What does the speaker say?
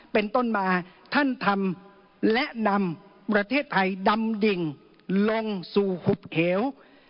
เป็นต้นมาท่านทำและนำประเทศไทยดำดิ่งลงสู่หุบเหว